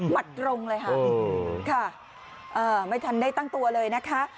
ตรงเลยค่ะไม่ทันได้ตั้งตัวเลยนะคะ